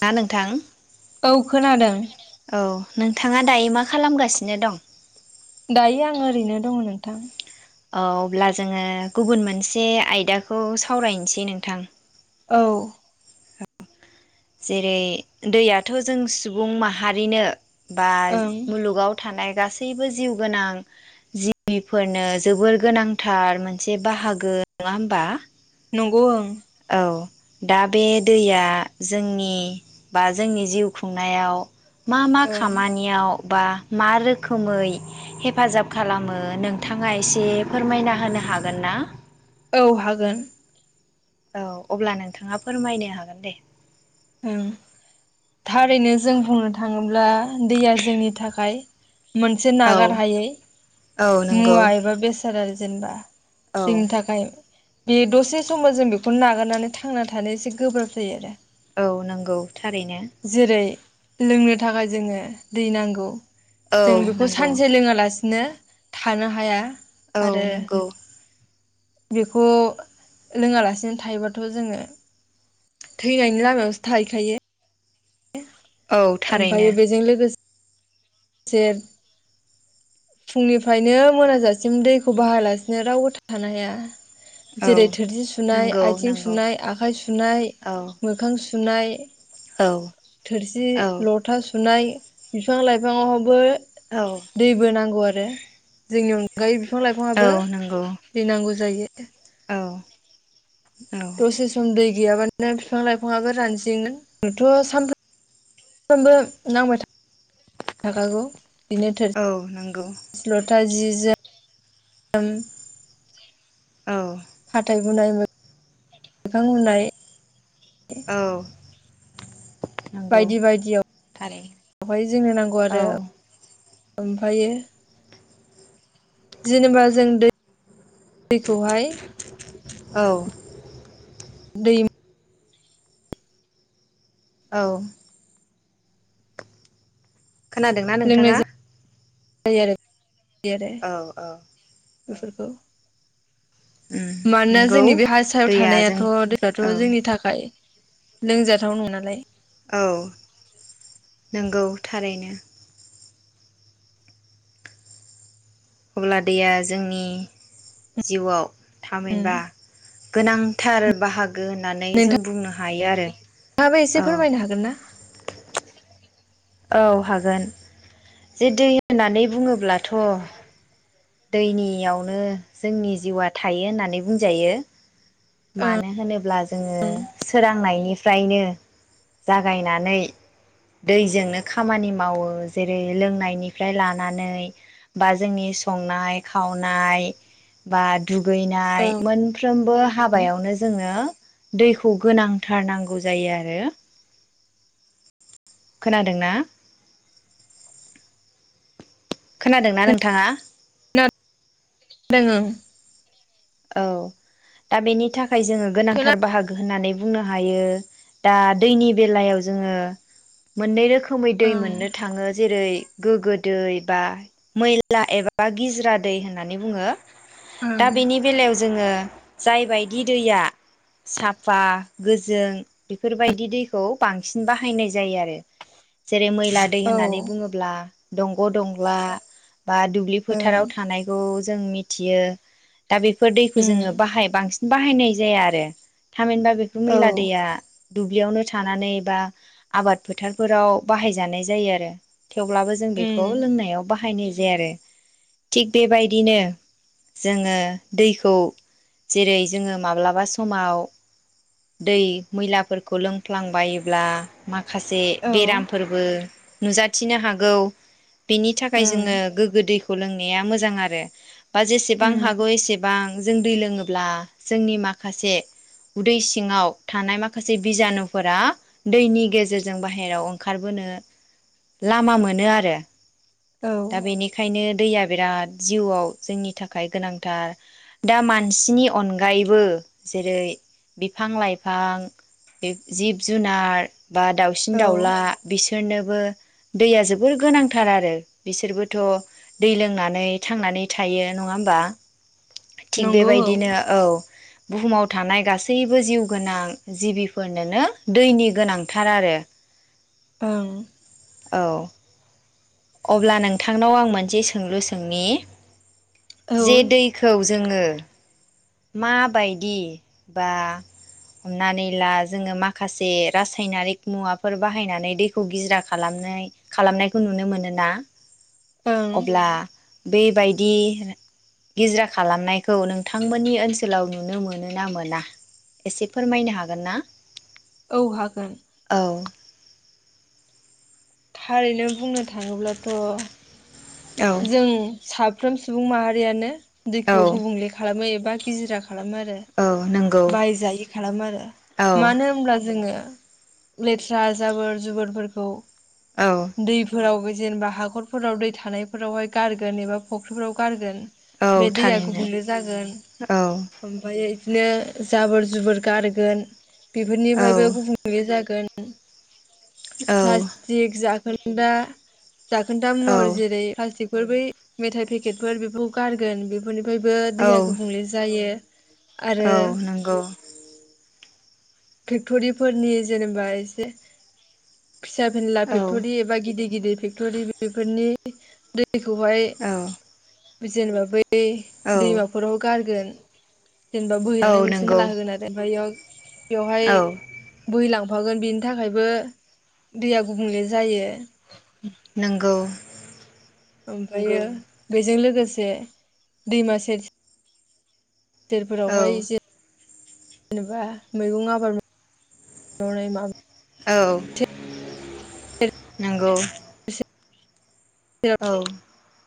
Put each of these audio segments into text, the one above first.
ना नोंथां औ खोनादों औ नोंथाङा दायो मा खालामगासिनो दं दायो आं ओरैनो दङ नोंथां औ अब्ला जोङो गुबुन मोनसे आयदाखौ सावरायनोसै नोंथां औ जेरै दैयाथ जों सुबुं माहारिनो बा ओं मुलुगाव थानाय गासैबो जिउ गोनां जिबिफोरनो जोबोर गोनांथार मोनसे बाहागो नङा होमबा नंगौ ओं औ दा बे दैया जोंनि बा जोंनि जिउ खुंनायाव मा मा ओं खामानियाव बा मा रोखोमै हेफाजाब खालामो नोंथाङा एसे फोरमायना होनो हागोन ना औ हागोन औ अब्ला नोंथाङा फोरमायनो हागोन दे ओं थारैनो जों बुंनो था थाङोब्ला दैया जोंनि थाखाय मोनसे नागार औ हायै औ नंगौ मुवा एबा बेसादारि जेनबा औ जोंनि थाखाय बे दसे समाव जों बेखौनो नागारनानै थांना थानो एसे गोब्राब जायो आरो औ नंगौ थारैनो जेरै लोंनो थाखाय जोङो दै नांगौ जों औ बेखौ नंगौ सानसे लोङालासि नो थानो हाया। औ आरो नंगौ बेखौ लोङालासिनो थायोबाथ जोङो थैनायनि लामायाव थाहैखायो औ थारैनो ओमफ्राय बेजों लोगोसे से फुंनिफ्रायनो मोनाजासिम दैखौ बाहालासिनो रावबो थानो हाया। औ जेरै थोरसि सुनाय नंगौ आथिं नंगौ सुनाय आखाइ सुनाय औ मोखां सुनाय औ [unintelligible] थोरसि, औ लथा सु सुनाय बिफां लाइफा फाङाव बो औ दैबो नांगौ आरो जोंनि अनगा [unintelligible] बिफं औ लाइफङाबो नंगौ दै नांगौ जायो। [unintelligible] औ औ दसे सम दै गैयाबानो बिफां लाइफाङा रानजेंनो आथ सानफ्रामफ्रामबो नांबाय था थाखागौ बेनो औ नंगौ थोरसि, लथा, जि जि ओम औ हाथाइ हुनाय मोखां हुनाय औ नंगौ बायदि थारैनो बायदियावहाय जोंनो नांगौ आरो। औ ओमफायो जेनेबा जों दै दै खौ हाय औ दै औ खोनादोंना नोंथाङा? यो आरो दि आरो औ औ औ बेफोरखौ उम मानोना नंगौ जोंनि बे हा सायाव दैया जों थानायाथ दैयाथ औ जोंनि थाखाय लोंजाथाव नं नालाय औ नंगौ थारैनो। अब्ला दैया जोंनि जिउआव उम थामहिनबा गोनांथार बाहा गो होननानै जों बुंनो ह हायो आरो आ बो एसे औ फोरमायनो हागोन ना? औ हागोन। जे दै होननानै बुङोब्लाथ दैनियावनो जोंनि जिउआ थायो होननानै बुंजायो। मानो होनोब्ला जोंङो उम सोरां नायनिफ्रायनो जागायनानै दैजोंनो खामानि मावो। जेरै लोंनायनिफ्राय लानानै बा जोंनि संनाय खावनाय बा दुगैनाय ओं मोन फ्रोमबो हाबायावनो जोङो दै खौ गोनांथार नांगौ जायो आरो। खोनादों ना? खोना दोंना नोंथाङा? [unintelligible] दों ओं औ दा बेनि थाखाय जोङो गोनांथार बाहागो होननानै बुंनो हायो दा दैनि बेलायाव जोङो मोननै रोखोम रोखोमै दै मोननो थाङो जेरै गोगो दै बा मैला एबा गिजिरा दै होननानै बुङो। ओं ओंङो जाय बायदि दैया साफा गोजों बेफोरबायदि दैखौ बांसिन बाहायनाय जायो आरो। जेरै मैला दै औ होननानै ओं बुङोब्ला दंग दंला बा दुब्लि फोथाराव थानायखौ जों मिथियो दा बेफोर दैखौ उम जोङो बाहाय बांसिन बाहायनाय जाया आरो थामहिनबा बेखौ औ मैला दैया दुब्लियावनो थानानै बा आबाद फोथारफोराव बाहायजानाय जायो आरो थेवब्लाबो जों बेखौ उम लोंनायाव बाहायनो जायो आरो थिग बेबायदिनो जोङो दैखौ जेरै जोङो माब्लाबा समाव दै मैलाफोरखौ लोंफ्लांबायोब्ला मा खासे औ बेरामफोरबो नुजाथिनो हागौ बेनि थाखाय ओं जोङो गोग्गो दै खौ लोंनाया मोजां आरो बा जेसेबां उम हागौ एसे बां जों दै लोङोब्ला जोंनि माखासे उदै सिङाव थानाय माखासे बिजानुफोरा दैनि गेजेरजों बाहेरायाव ओंखारबोनो लामा मोनो आरो औ दा बेनिखायनो दैया बिराद जिउआव जोंनि थाखाय गोनांथार दा मानसिनि अनगायैबो जेरै बिफां लाइफां जिब जुनार बा दाउसिन औ दाउला बे सोरनोबो दैया जोबोर गोनांथार आरो बिसोरबोथ दै लोंनानै थांनानै थायो नङा होमबा? थिग नंगौ औ बेबायदिनो औ बुहुमाव थानाय गासैबो जिउ गोनां जिबिफोरनोनो दैनि गोनांथार आरो ओं औ अब्ला नोंथांनाव आं मोनसे सोंलु सोंनि औ जे ओं दैखौ जोङो माबायदि बा हमनानै ला जोङो माखासे रासायनारिक मुवाफोर बाहायनानै दैखौ गिजिरा खालामनाय खालामनायखौ नुनो मोनो ना? औ अब्ला बेबायदि गिजिरा खालामनायखौ नोंथांमोननि ओनसोलाव नुनो मोनो ना मोना एसे फोरमायनो हागोन ना? औ हागोन औ थारैनो बुंनो थाङोब्लाथ औ जों साब फ्रोम सुबुं माहारियानो औ दैखौ गुबुंले खालामो बा गिज्रा खालामो आरो औ नंगौ बायजायि खालामो आरो औ मानो होनब्ला जोङो लेथ्रा जाबोर जुबोरफोरखौ औ दै फोराव जेनेबा हाखरफोराव दै थानायफोरावहाय गारगोन एबा फुख्रिफोराव गारगोन औ बे दैया थारैनो गुबुंले जागोन औ ओमफ्राय बिदिनो जाबोर जुबोर गारगोन औ बेफोरनिफ्रायबो गुबुंले जागोन [unintelligible] औ प्लास्टिक जाखोन दा जाखोन्दा मुवाफोर औ जेरै बेफोर बै मेथाइ पेकेटफोर बेखौ गारगोन बे बेनिफ्रायबो औ दैहा गुबुंले जायो। आरो औ नंगौ [inaudible] फेक्टरिफोरनि जेनेबा एसे फिसा फेनला औ फेक्टरि एबा गिदिर गिदिर फेक्टरि बेफोरनि दै दैखौहाय औ जेनेबा बै औ दैमाफोराव गारगोन। जेनेबा औ बोहखांनाय मोनसे नंगौ नाला होगोन आरो ओमफ्राय बेयाव बेवहाय औ बोहैलां हाबफागोन बेनि थाखायबो दैया गुबुंले जायो। नोंगौ ओमफ्रायो बेजों लोगोसे दैमा सेर औ गोरफोरावहाय जे जेनेबा मैगं आबाद मावनाय माब औ नंगौ सेराव औ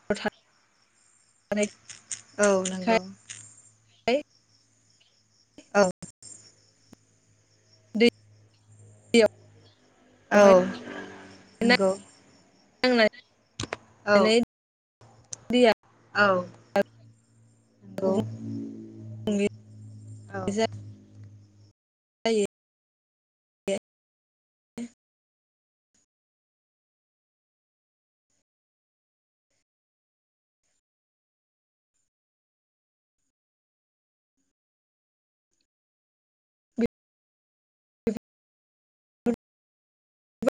[inaudible] औ नंगौ [inaudible] औ दै औ नोंगौ। [unintelligible] नै दैया औ। गुबुं नंगौ [unintelligible] औ जा जायो। [inaudible] [unintelligible]